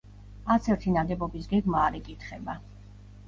არც ერთი ნაგებობის გეგმა არ იკითხება.